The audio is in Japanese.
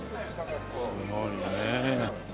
すごいねえ。